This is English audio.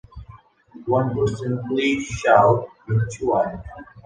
One could simply shout with joy.